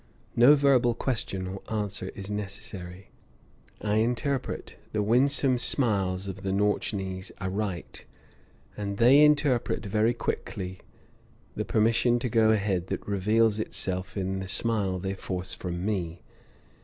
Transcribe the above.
No verbal question or answer is necessary. I interpret the winsome smiles of the Nautchnees aright, and they interpret very quickly the permission to go ahead that reveals itself in the smile they force from me.